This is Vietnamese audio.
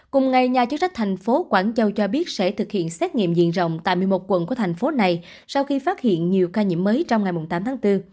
cùng ngày nhà chức trách thành phố quảng châu cho biết sẽ thực hiện xét nghiệm diện rộng tại một mươi một quận của thành phố này sau khi phát hiện nhiều ca nhiễm mới trong ngày tám tháng bốn